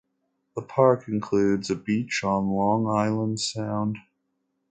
The park includes a beach on Long Island Sound.